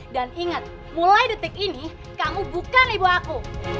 dan ingat mulai detik ini kamu bukan ibu aku